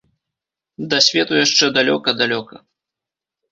Да свету яшчэ далёка-далёка!